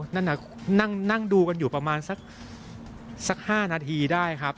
นั่นน่ะนั่งดูกันอยู่ประมาณสัก๕นาทีได้ครับ